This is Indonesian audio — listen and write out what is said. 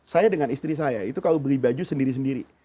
saya dengan istri saya itu kalau beli baju sendiri sendiri